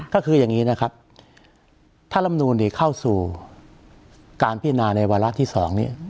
ก็คืออย่างนี้นะครับถ้าลำนูนนี้เข้าสู่การพิจารณาในวาระที่๒นี้